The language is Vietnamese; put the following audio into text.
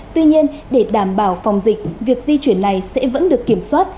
tuy nhiên để đảm bảo phòng dịch việc di chuyển này sẽ vẫn được kiểm soát